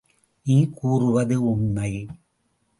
நீ கூறுவது உண்மை?